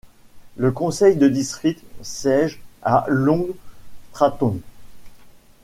Le conseil de district siège à Long Stratton.